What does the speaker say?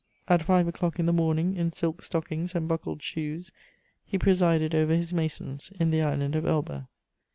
At five o'clock in the morning, in silk stockings and buckled shoes, he presided over his masons in the island of Elba.